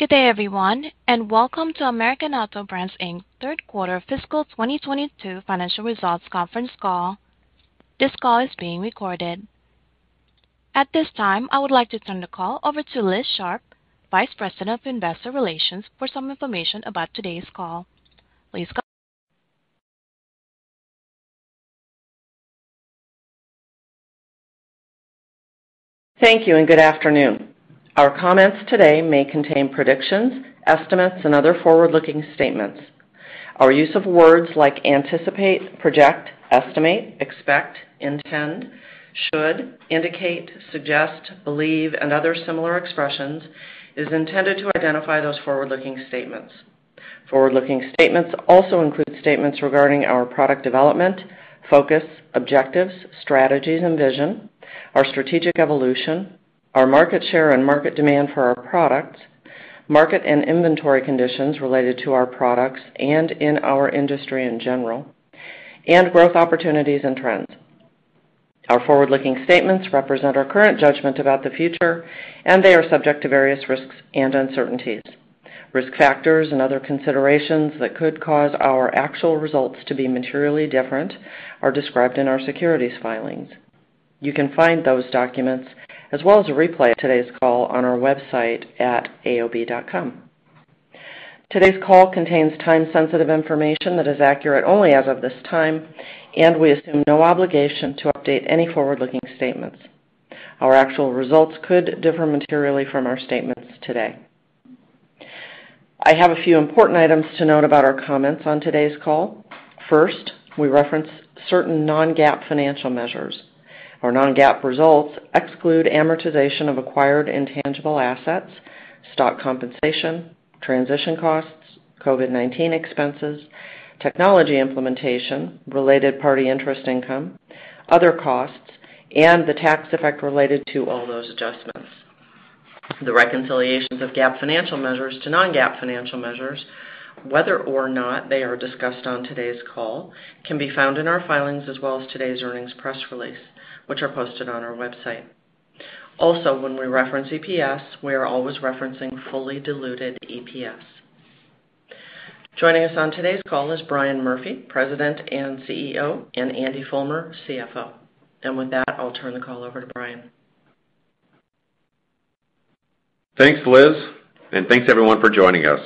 Good day, everyone, and welcome to American Outdoor Brands, Inc.'s third quarter fiscal 2022 financial results conference call. This call is being recorded. At this time, I would like to turn the call over to Liz Sharp, Vice President of Investor Relations, for some information about today's call. Liz, go ahead. Thank you, and good afternoon. Our comments today may contain predictions, estimates and other forward-looking statements. Our use of words like anticipate, project, estimate, expect, intend, should, indicate, suggest, believe, and other similar expressions is intended to identify those forward-looking statements. Forward-looking statements also include statements regarding our product development, focus, objectives, strategies and vision, our strategic evolution, our market share and market demand for our products, market and inventory conditions related to our products and in our industry in general, and growth opportunities and trends. Our forward-looking statements represent our current judgment about the future, and they are subject to various risks and uncertainties. Risk factors and other considerations that could cause our actual results to be materially different are described in our securities filings. You can find those documents, as well as a replay of today's call, on our website at aob.com. Today's call contains time-sensitive information that is accurate only as of this time, and we assume no obligation to update any forward-looking statements. Our actual results could differ materially from our statements today. I have a few important items to note about our comments on today's call. First, we reference certain non-GAAP financial measures. Our non-GAAP results exclude amortization of acquired intangible assets, stock compensation, transition costs, COVID-19 expenses, technology implementation, related party interest income, other costs, and the tax effect related to all those adjustments. The reconciliations of GAAP financial measures to non-GAAP financial measures, whether or not they are discussed on today's call, can be found in our filings as well as today's earnings press release, which are posted on our website. Also, when we reference EPS, we are always referencing fully-diluted EPS. Joining us on today's call is Brian Murphy, President and CEO, and Andy Fulmer, CFO. With that, I'll turn the call over to Brian. Thanks, Liz, and thanks everyone for joining us.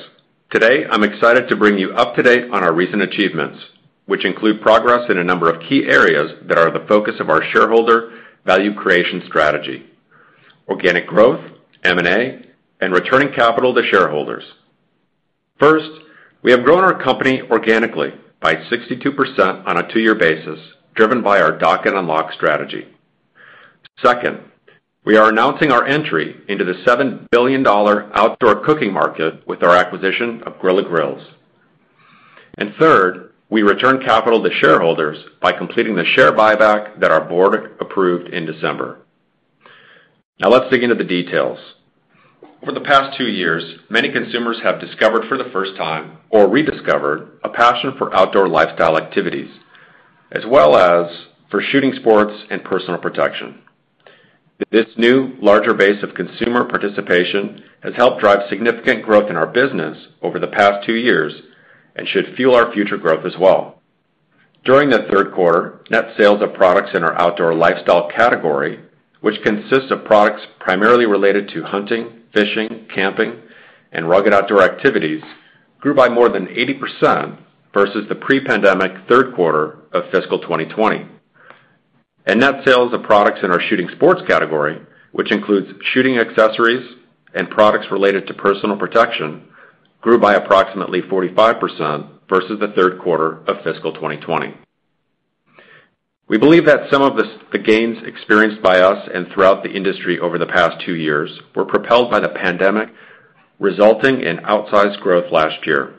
Today, I'm excited to bring you up to date on our recent achievements, which include progress in a number of key areas that are the focus of our shareholder value creation strategy, organic growth, M&A, and returning capital to shareholders. First, we have grown our company organically by 62% on a two-year basis, driven by our Dock and Unlock strategy. Second, we are announcing our entry into the $7 billion outdoor cooking market with our acquisition of Grilla Grills. Third, we return capital to shareholders by completing the share buyback that our board approved in December. Now let's dig into the details. Over the past two years, many consumers have discovered for the first time or rediscovered a passion for outdoor lifestyle activities, as well as for shooting sports and personal protection. This new, larger base of consumer participation has helped drive significant growth in our business over the past two years and should fuel our future growth as well. During the third quarter, net sales of products in our Outdoor Lifestyle category, which consists of products primarily related to hunting, fishing, camping, and rugged outdoor activities, grew by more than 80% versus the pre-pandemic third quarter of fiscal 2020. Net sales of products in our Shooting Sports category, which includes shooting accessories and products related to personal protection, grew by approximately 45% versus the third quarter of fiscal 2020. We believe that some of the gains experienced by us and throughout the industry over the past two years were propelled by the pandemic, resulting in outsized growth last year.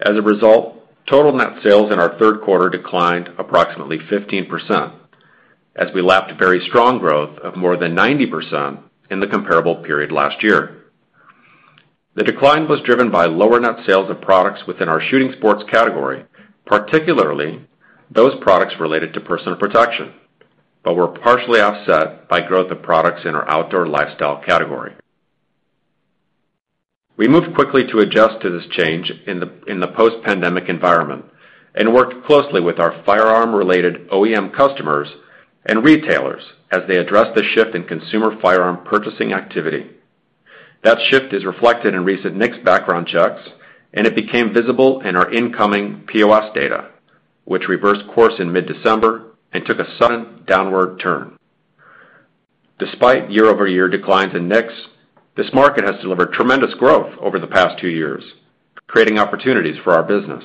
As a result, total net sales in our third quarter declined approximately 15% as we lapped very strong growth of more than 90% in the comparable period last year. The decline was driven by lower net sales of products within our shooting sports category, particularly those products related to personal protection, but were partially offset by growth of products in our outdoor lifestyle category. We moved quickly to adjust to this change in the post-pandemic environment and worked closely with our firearm-related OEM customers and retailers as they address the shift in consumer firearm purchasing activity. That shift is reflected in recent NICS background checks, and it became visible in our incoming POS data, which reversed course in mid-December and took a sudden downward turn. Despite year-over-year declines in NICS, this market has delivered tremendous growth over the past two years, creating opportunities for our business.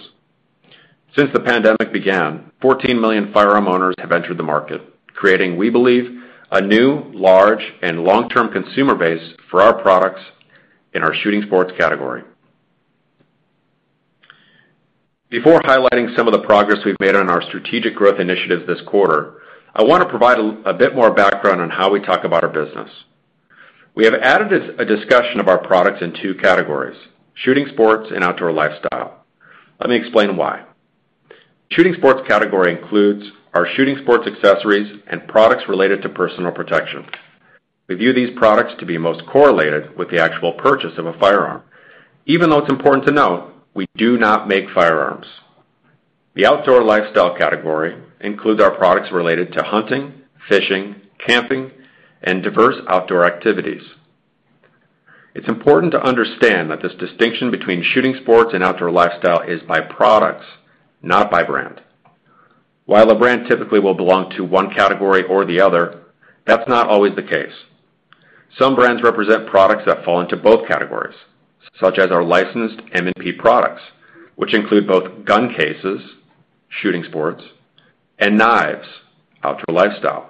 Since the pandemic began, 14 million firearm owners have entered the market, creating, we believe, a new, large and long-term consumer base for our products in our Shooting Sports category. Before highlighting some of the progress we've made on our strategic growth initiatives this quarter, I want to provide a bit more background on how we talk about our business. We have added a discussion of our products in two categories, Shooting Sports and Outdoor Lifestyle. Let me explain why. The Shooting Sports category includes our shooting sports accessories and products related to personal protection. We view these products to be most correlated with the actual purchase of a firearm, even though it's important to note we do not make firearms. The Outdoor Lifestyle category includes our products related to hunting, fishing, camping, and diverse outdoor activities. It's important to understand that this distinction between shooting sports and outdoor lifestyle is by products, not by brand. While a brand typically will belong to one category or the other, that's not always the case. Some brands represent products that fall into both categories, such as our licensed M&P products, which include both gun cases, shooting sports, and knives, outdoor lifestyle.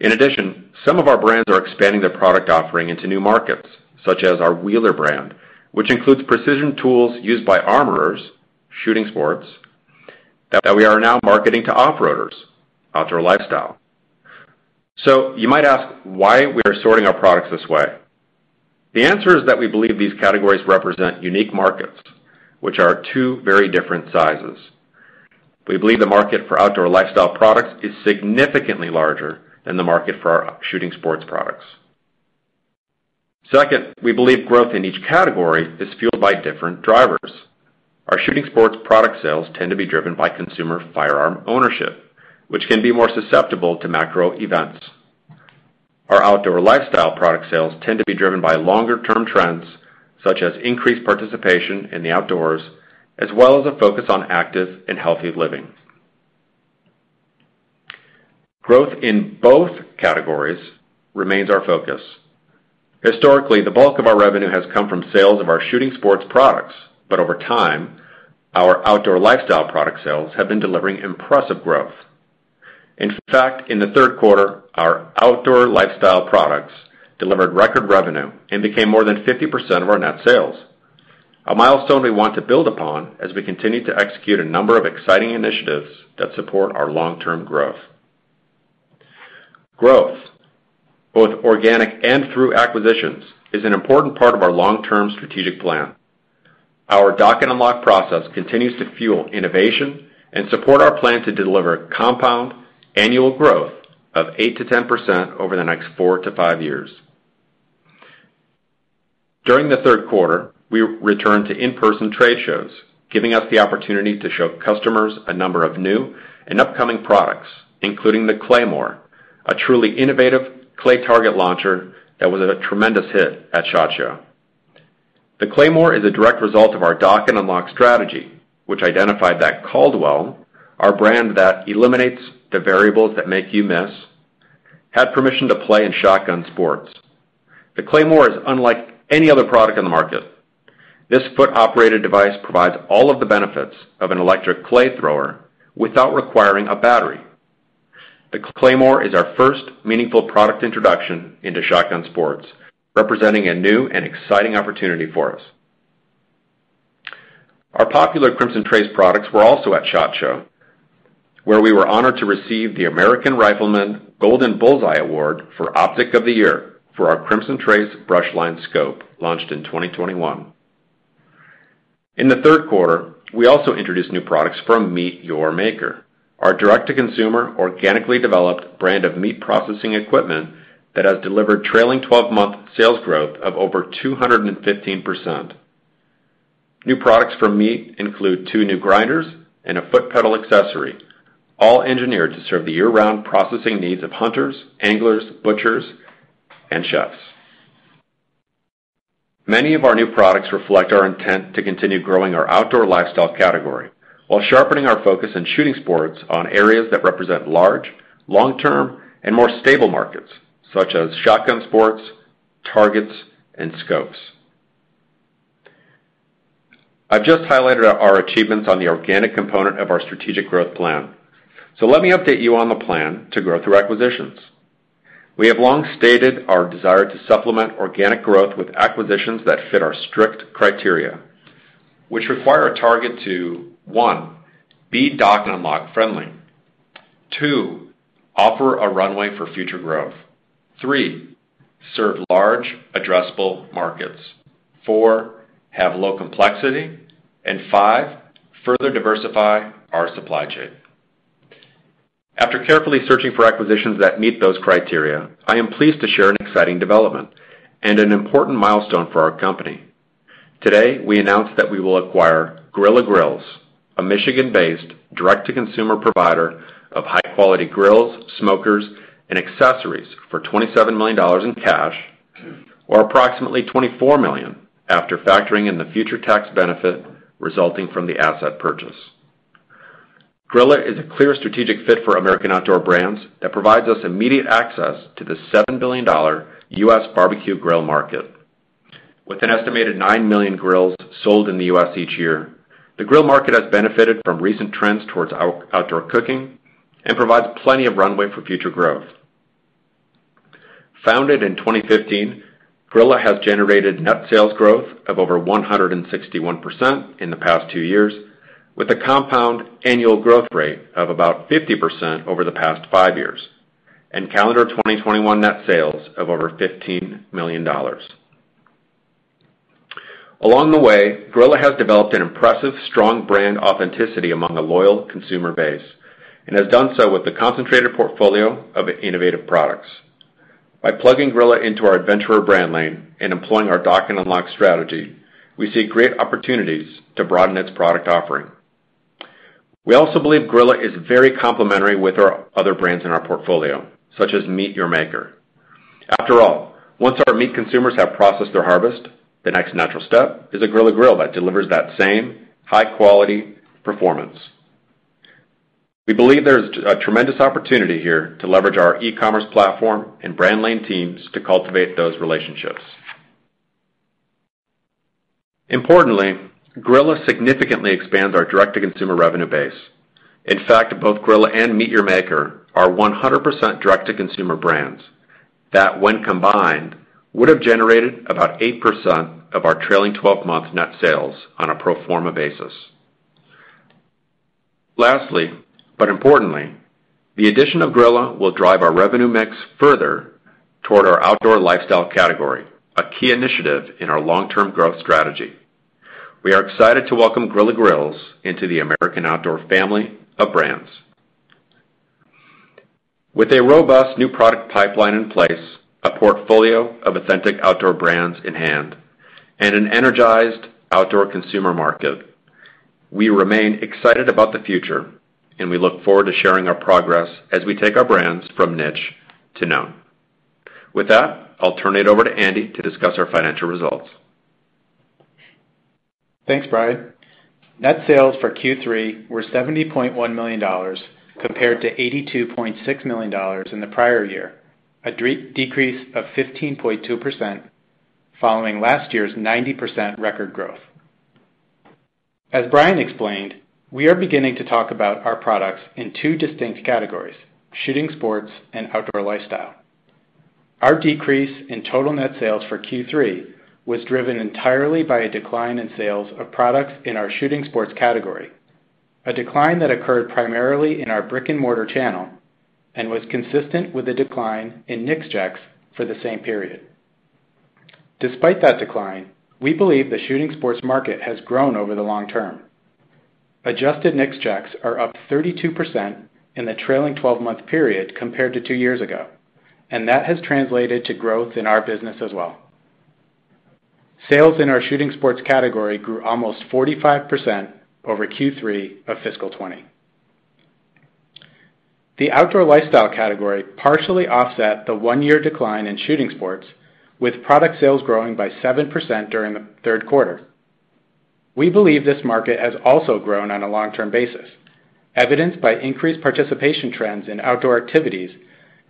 In addition, some of our brands are expanding their product offering into new markets, such as our Wheeler brand, which includes precision tools used by armorers, shooting sports that we are now marketing to off-roaders, outdoor lifestyle. You might ask why we are sorting our products this way. The answer is that we believe these categories represent unique markets, which are two very different sizes. We believe the market for outdoor lifestyle products is significantly larger than the market for our shooting sports products. Second, we believe growth in each category is fueled by different drivers. Our shooting sports product sales tend to be driven by consumer firearm ownership, which can be more susceptible to macro events. Our outdoor lifestyle product sales tend to be driven by longer-term trends, such as increased participation in the outdoors, as well as a focus on active and healthy living. Growth in both categories remains our focus. Historically, the bulk of our revenue has come from sales of our shooting sports products, but over time, our outdoor lifestyle product sales have been delivering impressive growth. In fact, in the third quarter, our outdoor lifestyle products delivered record revenue and became more than 50% of our net sales. A milestone we want to build upon as we continue to execute a number of exciting initiatives that support our long-term growth. Growth, both organic and through acquisitions, is an important part of our long-term strategic plan. Our Dock and Unlock process continues to fuel innovation and support our plan to deliver compound annual growth of 8%-10% over the next four-five years. During the third quarter, we returned to in-person trade shows, giving us the opportunity to show customers a number of new and upcoming products, including the Claymore, a truly innovative clay target launcher that was a tremendous hit at SHOT Show. The Claymore is a direct result of our Dock and Unlock strategy, which identified that Caldwell, our brand that eliminates the variables that make you miss, had permission to play in shotgun sports. The Claymore is unlike any other product in the market. This foot-operated device provides all of the benefits of an electric clay thrower without requiring a battery. The Claymore is our first meaningful product introduction into shotgun sports, representing a new and exciting opportunity for us. Our popular Crimson Trace products were also at SHOT Show, where we were honored to receive the American Rifleman Golden Bullseye Award for Optic of the Year for our Crimson Trace Brushline Scope, launched in 2021. In the third quarter, we also introduced new products from MEAT! Your Maker, our direct-to-consumer, organically-developed brand of meat processing equipment that has delivered trailing 12-month sales growth of over 215%. New products from MEAT! include two new grinders and a foot pedal accessory, all engineered to serve the year-round processing needs of hunters, anglers, butchers, and chefs. Many of our new products reflect our intent to continue growing our outdoor lifestyle category while sharpening our focus in shooting sports on areas that represent large, long-term, and more stable markets, such as shotgun sports, targets, and scopes. I've just highlighted our achievements on the organic component of our strategic growth plan. Let me update you on the plan to grow through acquisitions. We have long stated our desire to supplement organic growth with acquisitions that fit our strict criteria, which require a target to, one, be Dock and Unlock friendly, two, offer a runway for future growth, three, serve large addressable markets, four, have low complexity, and five, further diversify our supply chain. After carefully searching for acquisitions that meet those criteria, I am pleased to share an exciting development and an important milestone for our company. Today, we announced that we will acquire Grilla Grills, a Michigan-based, direct-to-consumer provider of high-quality grills, smokers, and accessories for $27 million in cash, or approximately $24 million after factoring in the future tax benefit resulting from the asset purchase. Grilla is a clear strategic fit for American Outdoor Brands that provides us immediate access to the $7 billion U.S. barbecue grill market. With an estimated 9 million grills sold in the U.S. each year, the grill market has benefited from recent trends towards outdoor cooking and provides plenty of runway for future growth. Founded in 2015, Grilla has generated net sales growth of over 161% in the past two years, with a compound annual growth rate of about 50% over the past five years, and calendar 2021 net sales of over $15 million. Along the way, Grilla has developed an impressive strong brand authenticity among a loyal consumer base, and has done so with the concentrated portfolio of innovative products. By plugging Grilla into our adventurer brand lane and employing our Dock and Unlock strategy, we see great opportunities to broaden its product offering. We also believe Grilla is very complementary with our other brands in our portfolio, such as MEAT! Your Maker. After all, once our meat consumers have processed their harvest, the next natural step is a Grilla grill that delivers that same high-quality performance. We believe there's a tremendous opportunity here to leverage our e-commerce platform and brand lane teams to cultivate those relationships. Importantly, Grilla significantly expands our direct-to-consumer revenue base. In fact, both Grilla and MEAT! Your Maker are 100% direct-to-consumer brands that, when combined, would have generated about 8% of our trailing 12-month net sales on a pro forma basis. Lastly, but importantly, the addition of Grilla will drive our revenue mix further toward our outdoor lifestyle category, a key initiative in our long-term growth strategy. We are excited to welcome Grilla Grills into the American Outdoor Brands family of brands. With a robust new product pipeline in place, a portfolio of authentic outdoor brands in hand, and an energized outdoor consumer market, we remain excited about the future, and we look forward to sharing our progress as we take our brands from niche to known. With that, I'll turn it over to Andy to discuss our financial results. Thanks, Brian. Net sales for Q3 were $70.1 million compared to $82.6 million in the prior year, a decrease of 15.2% following last year's 90% record growth. As Brian explained, we are beginning to talk about our products in two distinct categories, shooting sports and outdoor lifestyle. Our decrease in total net sales for Q3 was driven entirely by a decline in sales of products in our shooting sports category, a decline that occurred primarily in our brick-and-mortar channel and was consistent with the decline in NICS checks for the same period. Despite that decline, we believe the shooting sports market has grown over the long term. Adjusted NICS checks are up 32% in the trailing 12-month period compared to two years ago, and that has translated to growth in our business as well. Sales in our shooting sports category grew almost 45% over Q3 of fiscal 2020. The outdoor lifestyle category partially offset the one-year decline in shooting sports, with product sales growing by 7% during the third quarter. We believe this market has also grown on a long-term basis, evidenced by increased participation trends in outdoor activities,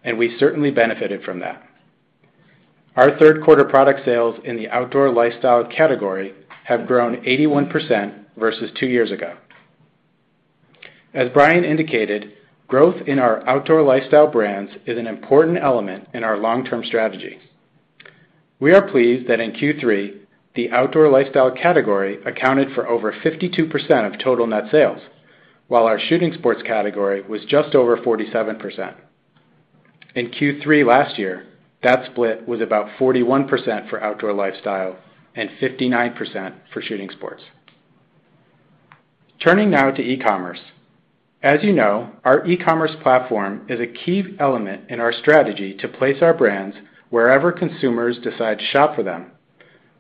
and we certainly benefited from that. Our third quarter product sales in the outdoor lifestyle category have grown 81% versus two years ago. As Brian indicated, growth in our outdoor lifestyle brands is an important element in our long-term strategy. We are pleased that in Q3, the outdoor lifestyle category accounted for over 52% of total net sales, while our shooting sports category was just over 47%. In Q3 last year, that split was about 41% for outdoor lifestyle and 59% for shooting sports. Turning now to e-commerce. As you know, our e-commerce platform is a key element in our strategy to place our brands wherever consumers decide to shop for them,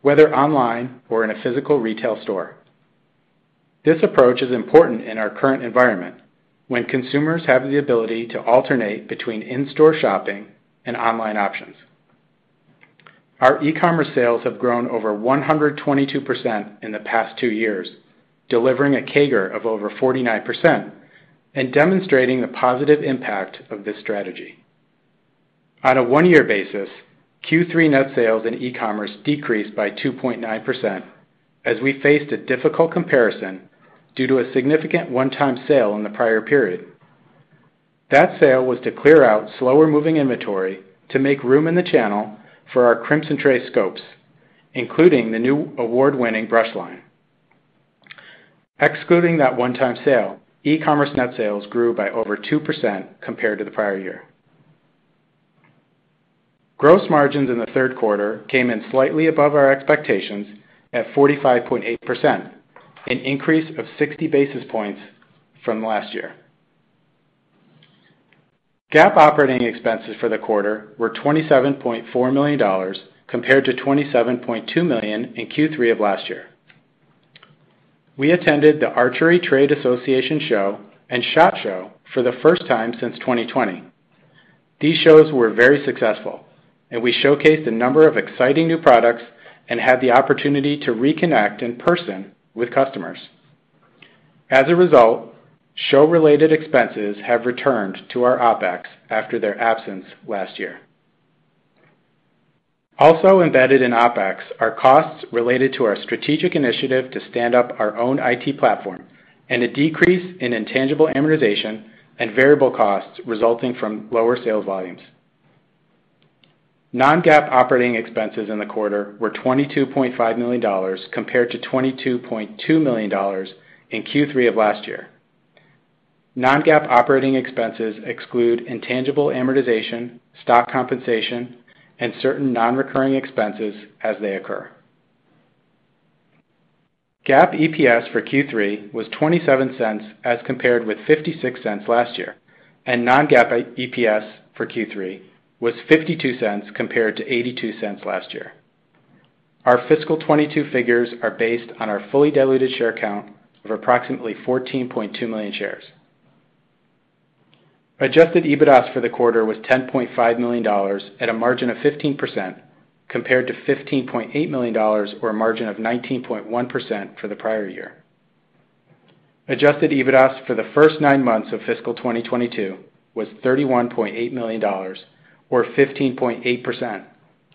whether online or in a physical retail store. This approach is important in our current environment when consumers have the ability to alternate between in-store shopping and online options. Our e-commerce sales have grown over 122% in the past two years, delivering a CAGR of over 49% and demonstrating the positive impact of this strategy. On a one-year basis, Q3 net sales in e-commerce decreased by 2.9% as we faced a difficult comparison due to a significant one-time sale in the prior period. That sale was to clear out slower-moving inventory to make room in the channel for our Crimson Trace scopes, including the new award-winning Brushline. Excluding that one-time sale, e-commerce net sales grew by over 2% compared to the prior year. Gross margins in the third quarter came in slightly above our expectations at 45.8%, an increase of 60 basis points from last year. GAAP operating expenses for the quarter were $27.4 million compared to $27.2 million in Q3 of last year. We attended the Archery Trade Association show and SHOT Show for the first time since 2020. These shows were very successful, and we showcased a number of exciting new products and had the opportunity to reconnect in person with customers. As a result, show-related expenses have returned to our OpEx after their absence last year. Also embedded in OpEx are costs related to our strategic initiative to stand up our own IT platform and a decrease in intangible amortization and variable costs resulting from lower sales volumes. Non-GAAP operating expenses in the quarter were $22.5 million compared to $22.2 million in Q3 of last year. Non-GAAP operating expenses exclude intangible amortization, stock compensation, and certain non-recurring expenses as they occur. GAAP EPS for Q3 was $0.27 as compared with $0.56 last year, and non-GAAP EPS for Q3 was $0.52 compared to $0.82 last year. Our fiscal 2022 figures are based on our fully diluted share count of approximately 14.2 million shares. Adjusted EBITDA for the quarter was $10.5 million at a margin of 15% compared to $15.8 million or a margin of 19.1% for the prior year. Adjusted EBITDA for the first nine months of fiscal 2022 was $31.8 million or 15.8%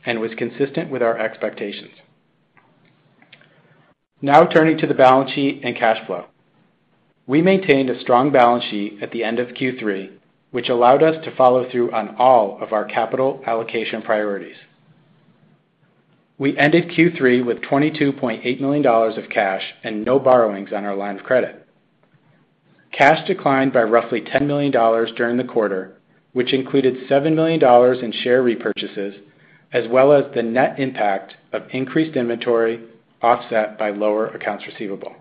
and was consistent with our expectations. Now turning to the balance sheet and cash flow. We maintained a strong balance sheet at the end of Q3, which allowed us to follow through on all of our capital allocation priorities. We ended Q3 with $22.8 million of cash and no borrowings on our line of credit. Cash declined by roughly $10 million during the quarter, which included $7 million in share repurchases as well as the net impact of increased inventory offset by lower accounts receivable.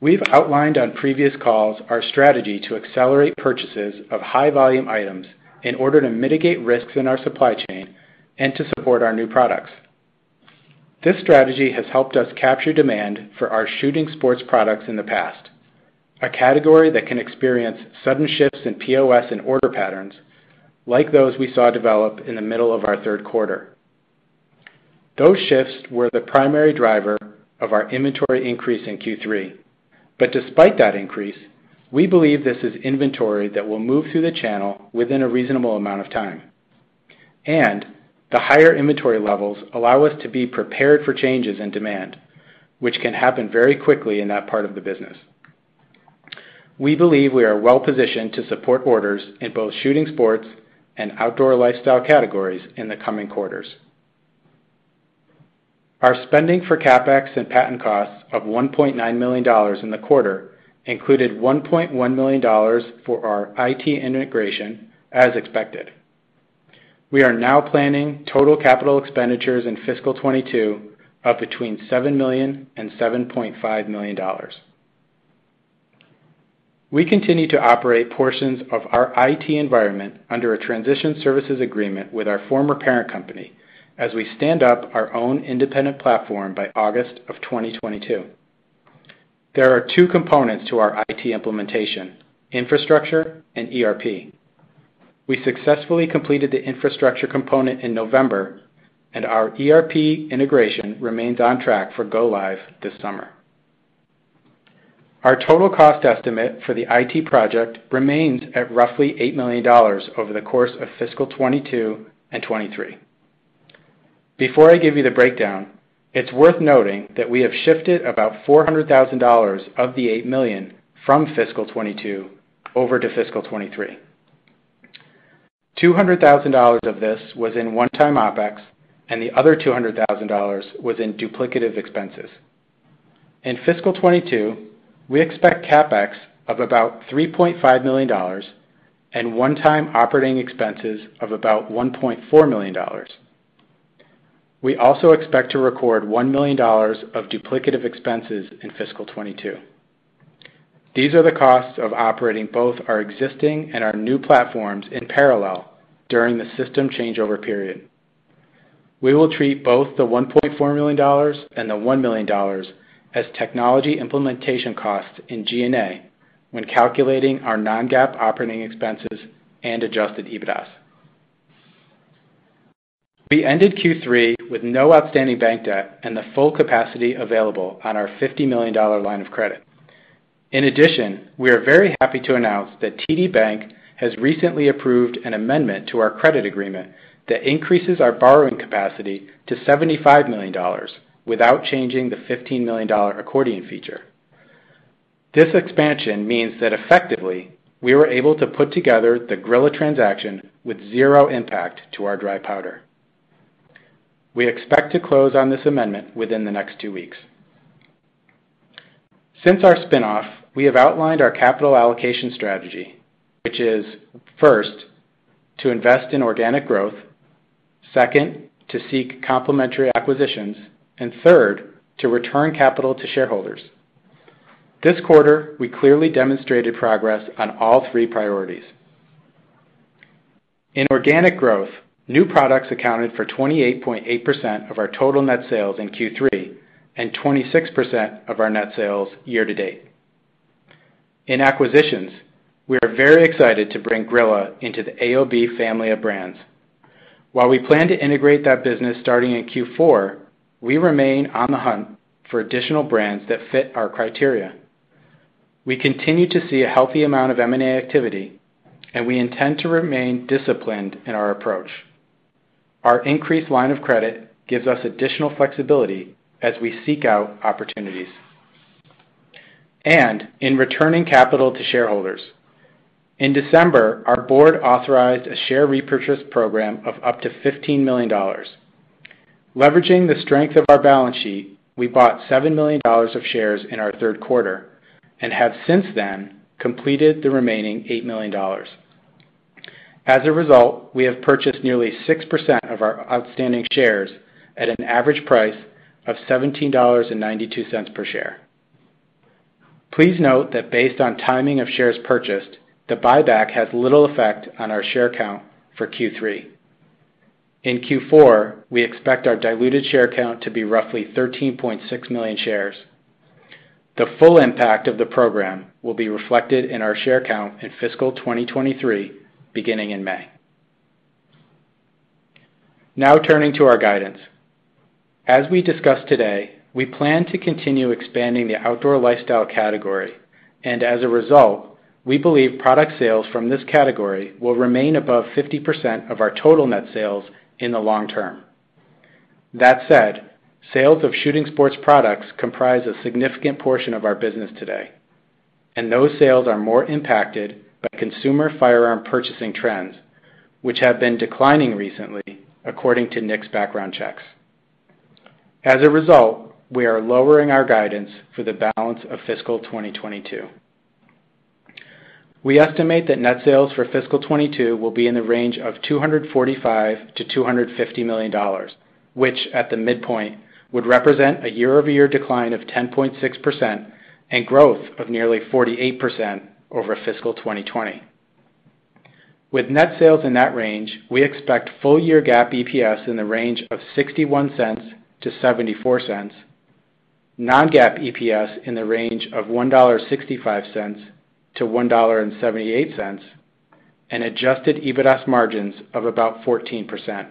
We've outlined on previous calls our strategy to accelerate purchases of high-volume items in order to mitigate risks in our supply chain and to support our new products. This strategy has helped us capture demand for our shooting sports products in the past, a category that can experience sudden shifts in POS and order patterns like those we saw develop in the middle of our third quarter. Those shifts were the primary driver of our inventory increase in Q3. Despite that increase, we believe this is inventory that will move through the channel within a reasonable amount of time, and the higher inventory levels allow us to be prepared for changes in demand, which can happen very quickly in that part of the business. We believe we are well-positioned to support orders in both shooting sports and outdoor lifestyle categories in the coming quarters. Our spending for CapEx and patent costs of $1.9 million in the quarter included $1.1 million for our IT integration as expected. We are now planning total capital expenditures in fiscal 2022 of between $7 million and $7.5 million. We continue to operate portions of our IT environment under a transition services agreement with our former parent company as we stand up our own independent platform by August 2022. There are two components to our IT implementation, infrastructure and ERP. We successfully completed the infrastructure component in November, and our ERP integration remains on track for go live this summer. Our total cost estimate for the IT project remains at roughly $8 million over the course of fiscal 2022 and 2023. Before I give you the breakdown, it's worth noting that we have shifted about $400,000 of the $8 million from fiscal 2022 over to fiscal 2023. $200,000 of this was in one-time OpEx, and the other $200,000 was in duplicative expenses. In fiscal 2022, we expect CapEx of about $3.5 million and one-time operating expenses of about $1.4 million. We also expect to record $1 million of duplicative expenses in fiscal 2022. These are the costs of operating both our existing and our new platforms in parallel during the system changeover period. We will treat both the $1.4 million and the $1 million as technology implementation costs in G&A when calculating our non-GAAP operating expenses and adjusted EBITDA. We ended Q3 with no outstanding bank debt and the full capacity available on our $50 million line of credit. In addition, we are very happy to announce that TD Bank has recently approved an amendment to our credit agreement that increases our borrowing capacity to $75 million without changing the $15 million accordion feature. This expansion means that effectively, we were able to put together the Grilla transaction with zero impact to our dry powder. We expect to close on this amendment within the next two weeks. Since our spin-off, we have outlined our capital allocation strategy, which is, first, to invest in organic growth, second, to seek complementary acquisitions, and third, to return capital to shareholders. This quarter, we clearly demonstrated progress on all three priorities. In organic growth, new products accounted for 28.8% of our total net sales in Q3 and 26% of our net sales year-to-date. In acquisitions, we are very excited to bring Grilla into the AOB family of brands. While we plan to integrate that business starting in Q4, we remain on the hunt for additional brands that fit our criteria. We continue to see a healthy amount of M&A activity, and we intend to remain disciplined in our approach. Our increased line of credit gives us additional flexibility as we seek out opportunities. In returning capital to shareholders. In December, our board authorized a share repurchase program of up to $15 million. Leveraging the strength of our balance sheet, we bought $7 million of shares in our third quarter and have since then completed the remaining $8 million. As a result, we have purchased nearly 6% of our outstanding shares at an average price of $17.92 per share. Please note that based on timing of shares purchased, the buyback has little effect on our share count for Q3. In Q4, we expect our diluted share count to be roughly 13.6 million shares. The full impact of the program will be reflected in our share count in fiscal 2023, beginning in May. Now turning to our guidance. As we discussed today, we plan to continue expanding the outdoor lifestyle category, and as a result, we believe product sales from this category will remain above 50% of our total net sales in the long term. That said, sales of shooting sports products comprise a significant portion of our business today, and those sales are more impacted by consumer firearm purchasing trends, which have been declining recently according to NICS background checks. As a result, we are lowering our guidance for the balance of fiscal 2022. We estimate that net sales for fiscal 2022 will be in the range of $245 million-$250 million, which at the midpoint, would represent a year-over-year decline of 10.6% and growth of nearly 48% over fiscal 2020. With net sales in that range, we expect full year GAAP EPS in the range of $0.61-$0.74, non-GAAP EPS in the range of $1.65-$1.78, and adjusted EBITDA margins of about 14%.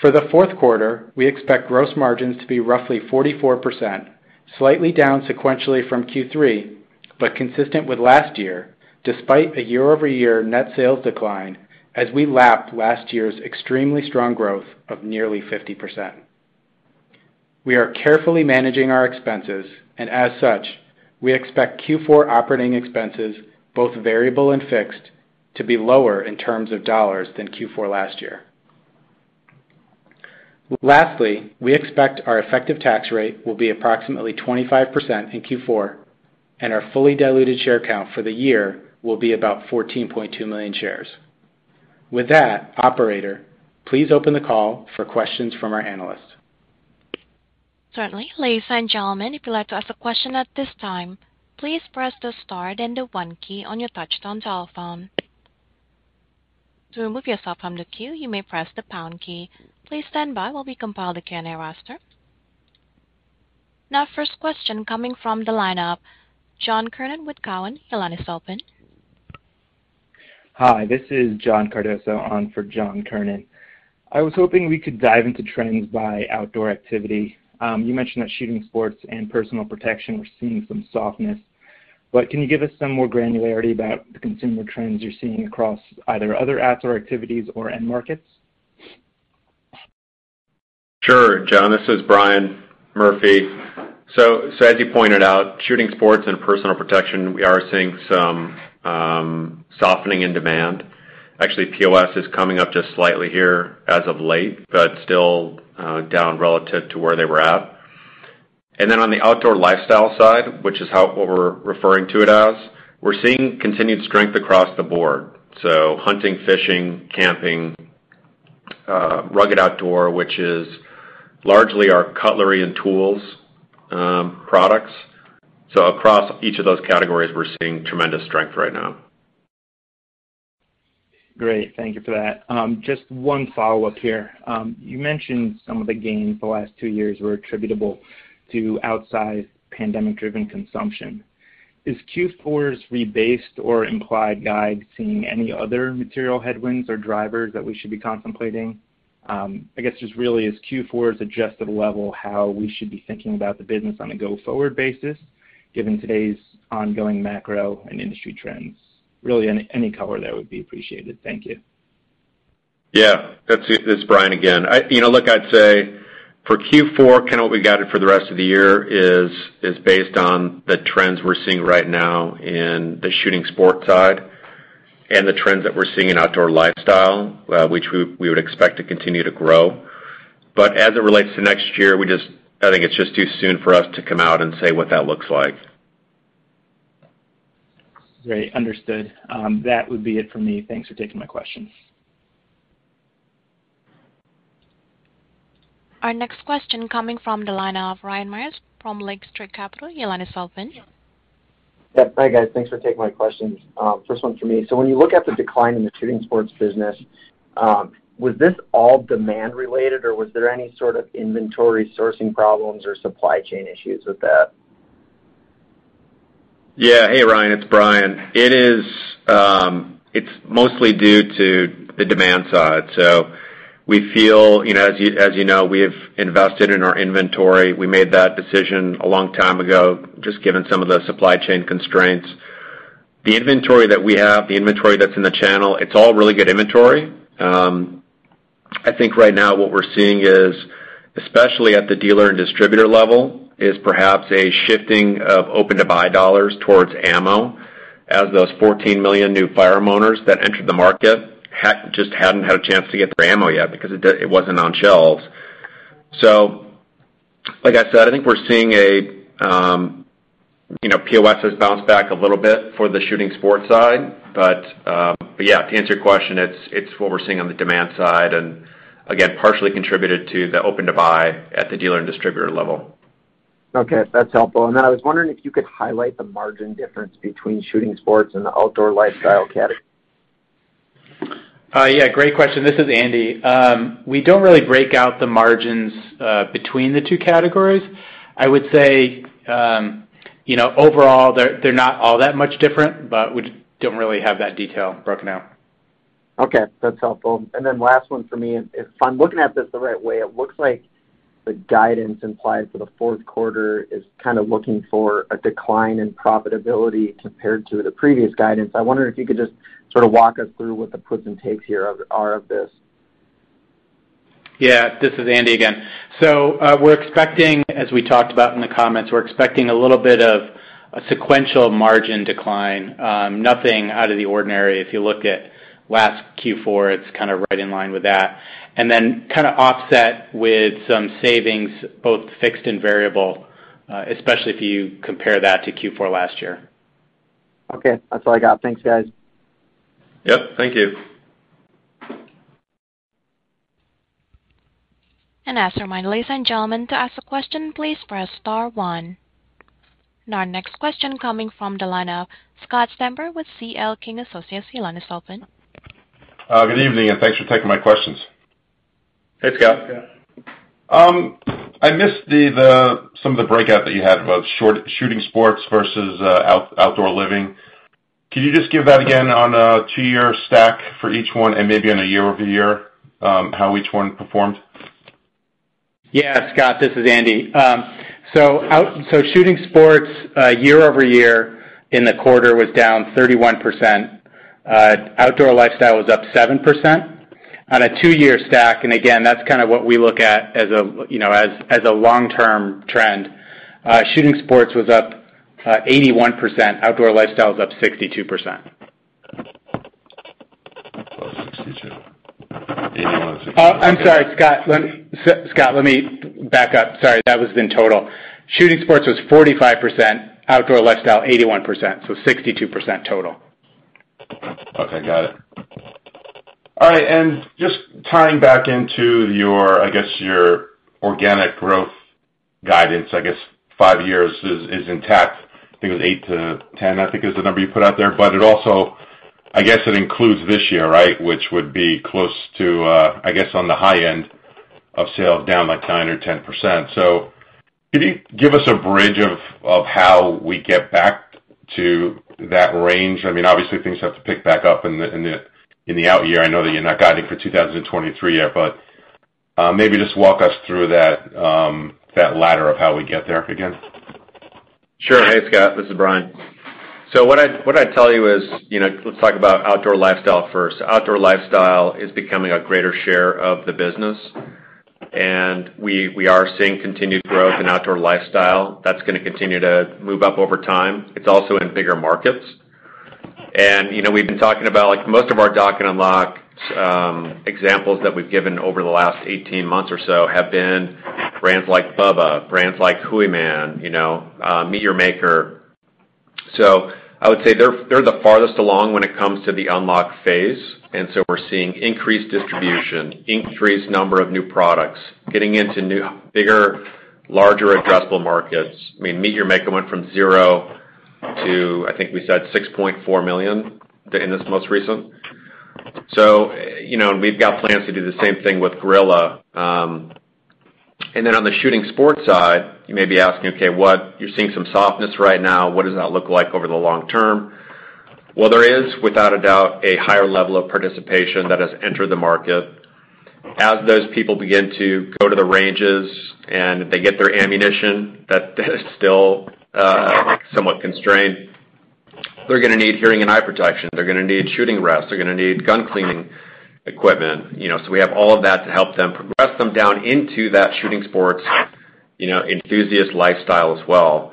For the fourth quarter, we expect gross margins to be roughly 44%, slightly down sequentially from Q3, but consistent with last year despite a year-over-year net sales decline as we lap last year's extremely strong growth of nearly 50%. We are carefully managing our expenses and as such, we expect Q4 operating expenses, both variable and fixed, to be lower in terms of dollars than Q4 last year. Lastly, we expect our effective tax rate will be approximately 25% in Q4, and our fully diluted share count for the year will be about 14.2 million shares. With that, operator, please open the call for questions from our analysts. Certainly. Ladies and gentlemen, if you'd like to ask a question at this time, please press the star then the one key on your touch-tone telephone. To remove yourself from the queue, you may press the pound key. Please stand by while we compile the Q&A roster. Now first question coming from the lineup, John Kernan with Cowen. Your line is open. Hi, this is John Cardoso on for John Kernan. I was hoping we could dive into trends by outdoor activity. You mentioned that shooting sports and personal protection were seeing some softness, but can you give us some more granularity about the consumer trends you're seeing across either other outdoor activities or end markets? Sure, John. This is Brian Murphy. As you pointed out, shooting sports and personal protection, we are seeing some softening in demand. Actually, POS is coming up just slightly here as of late, but still down relative to where they were at. Then on the outdoor lifestyle side, which is what we're referring to it as, we're seeing continued strength across the board. Hunting, fishing, camping, rugged outdoor, which is largely our cutlery and tools products. Across each of those categories, we're seeing tremendous strength right now. Great. Thank you for that. Just one follow-up here. You mentioned some of the gains the last two years were attributable to outsize pandemic-driven consumption. Is Q4's rebased or implied guide seeing any other material headwinds or drivers that we should be contemplating? I guess just really is Q4's adjusted level, how we should be thinking about the business on a go-forward basis, given today's ongoing macro and industry trends? Really any color there would be appreciated. Thank you. Yeah. It's Brian again. You know, look, I'd say for Q4, kinda what we guided for the rest of the year is based on the trends we're seeing right now in the shooting sports side and the trends that we're seeing in outdoor lifestyle, which we would expect to continue to grow. As it relates to next year, we just, I think it's just too soon for us to come out and say what that looks like. Great. Understood. That would be it for me. Thanks for taking my questions. Our next question coming from the line of Ryan Meyers from Lake Street Capital. Your line is open. Yeah. Hi, guys. Thanks for taking my questions. First one for me. When you look at the decline in the shooting sports business, was this all demand-related, or was there any sort of inventory sourcing problems or supply chain issues with that? Yeah. Hey, Ryan, it's Brian. It's mostly due to the demand side. We feel, you know, as you know, we have invested in our inventory. We made that decision a long time ago, just given some of the supply chain constraints. The inventory that we have, the inventory that's in the channel, it's all really good inventory. I think right now what we're seeing, especially at the dealer and distributor level, is perhaps a shifting of open-to-buy dollars towards ammo. As those 14 million new firearm owners that entered the market just hadn't had a chance to get their ammo yet because it wasn't on shelves. Like I said, I think we're seeing a, you know, POS has bounced back a little bit for the shooting sports side. Yeah, to answer your question, it's what we're seeing on the demand side and again, partially contributed to the open-to-buy at the dealer and distributor level. Okay, that's helpful. I was wondering if you could highlight the margin difference between shooting sports and the outdoor lifestyle category. Yeah, great question. This is Andy. We don't really break out the margins between the two categories. I would say, you know, overall they're not all that much different, but we don't really have that detail broken out. Okay, that's helpful. Last one for me, if I'm looking at this the right way, it looks like the guidance implied for the fourth quarter is kind of looking for a decline in profitability compared to the previous guidance. I wonder if you could just sort of walk us through what the puts and takes here are of this? Yeah, this is Andy again. We're expecting, as we talked about in the comments, a little bit of a sequential margin decline. Nothing out of the ordinary. If you look at last Q4, it's kind of right in line with that. Then kind of offset with some savings, both fixed and variable, especially if you compare that to Q4 last year. Okay. That's all I got. Thanks, guys. Yep. Thank you. As a reminder, ladies and gentlemen, to ask a question, please press star one. Our next question coming from the line of Scott Stember with C.L. King & Associates. Your line is open. Good evening, and thanks for taking my questions. Hey, Scott. Hey, Scott. I missed some of the breakout that you had about shooting sports versus outdoor living. Can you just give that again on a two-year stack for each one and maybe on a year-over-year how each one performed? Yeah. Scott, this is Andy. So shooting sports, year-over-year in the quarter was down 31%. Outdoor lifestyle was up 7%. On a two-year stack, and again, that's kind of what we look at as a, you know, as a long-term trend, shooting sports was up 81%, outdoor lifestyle was up 62%. Oh, I'm sorry, Scott. Scott, let me back up. Sorry, that was in total. Shooting Sports was 45%, Outdoor Lifestyle 81%, so 62% total. Okay, got it. All right, just tying back into your, I guess, your organic growth guidance, I guess five years is intact. I think it was eight-10, I think is the number you put out there. It also I guess it includes this year, right? Which would be close to, I guess on the high end of sales down like 9% or 10%. Could you give us a bridge of how we get back to that range? I mean, obviously things have to pick back up in the out year. I know that you're not guiding for 2023 yet, but maybe just walk us through that ladder of how we get there again? Sure. Hey, Scott, this is Brian. What I'd tell you is, you know, let's talk about outdoor lifestyle first. Outdoor lifestyle is becoming a greater share of the business, and we are seeing continued growth in outdoor lifestyle that's gonna continue to move up over time. It's also in bigger markets. You know, we've been talking about like most of our Dock and Unlock examples that we've given over the last 18 months or so have been brands like BUBBA, brands like Hooyman, you know, MEAT! Your Maker. I would say they're the farthest along when it comes to the unlock phase, and so we're seeing increased distribution, increased number of new products, getting into new, bigger, larger addressable markets. I mean, MEAT! Your Maker went from zero to, I think we said $6.4 million in this most recent. You know, we've got plans to do the same thing with Grilla. Then on the shooting sports side, you may be asking, "Okay, what? You're seeing some softness right now. What does that look like over the long term?" Well, there is, without a doubt, a higher level of participation that has entered the market. As those people begin to go to the ranges and they get their ammunition, that is still somewhat constrained, they're gonna need hearing and eye protection. They're gonna need shooting rests. They're gonna need gun cleaning equipment. You know, so we have all of that to help them progress down into that shooting sports, you know, enthusiast lifestyle as well.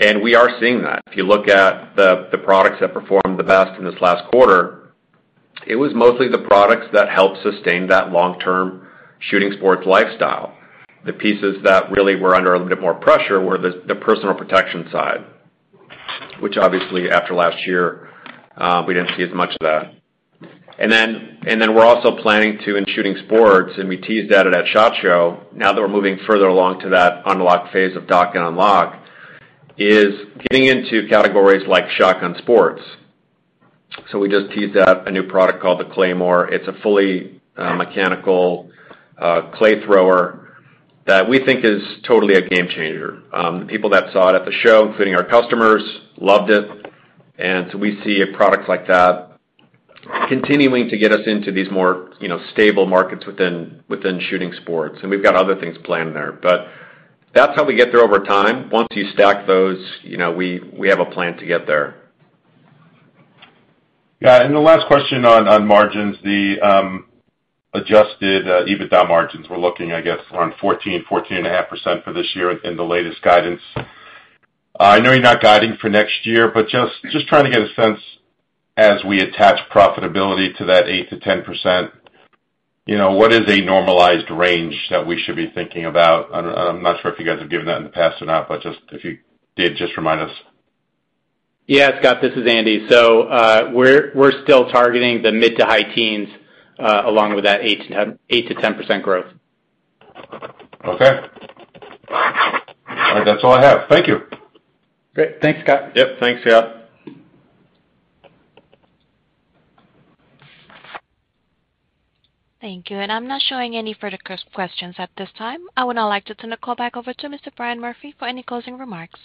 We are seeing that. If you look at the products that performed the best in this last quarter, it was mostly the products that helped sustain that long-term shooting sports lifestyle. The pieces that really were under a little bit more pressure were the personal protection side, which obviously after last year, we didn't see as much of that. We're also planning to in shooting sports, and we teased that at that SHOT Show, now that we're moving further along to that unlock phase of Dock and Unlock, is getting into categories like shotgun sports. We just teased out a new product called the Claymore. It's a fully mechanical clay thrower that we think is totally a game changer. The people that saw it at the show, including our customers, loved it. We see a product like that continuing to get us into these more, you know, stable markets within shooting sports, and we've got other things planned there. But that's how we get there over time. Once you stack those, you know, we have a plan to get there. Yeah. The last question on margins, the adjusted EBITDA margins, we're looking, I guess, around 14%, 14.5% for this year in the latest guidance. I know you're not guiding for next year, but just trying to get a sense as we attach profitability to that 8%-10%, you know, what is a normalized range that we should be thinking about? I'm not sure if you guys have given that in the past or not, but just if you did, just remind us. Yeah, Scott, this is Andy. We're still targeting the mid- to high teens, along with that 8%-10% growth. Okay. All right. That's all I have. Thank you. Great. Thanks, Scott. Yep. Thanks, Scott. Thank you. I'm not showing any further questions at this time. I would now like to turn the call back over to Mr. Brian Murphy for any closing remarks.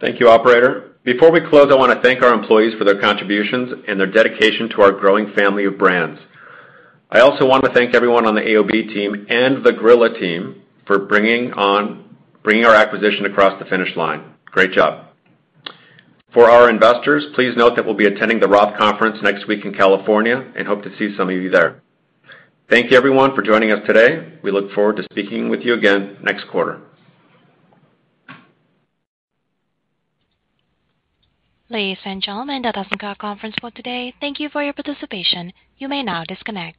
Thank you, operator. Before we close, I wanna thank our employees for their contributions and their dedication to our growing family of brands. I also want to thank everyone on the AOB team and the Grilla team for bringing our acquisition across the finish line. Great job. For our investors, please note that we'll be attending the Roth Conference next week in California and hope to see some of you there. Thank you everyone for joining us today. We look forward to speaking with you again next quarter. Ladies and gentlemen, that does end our conference call today. Thank you for your participation. You may now disconnect.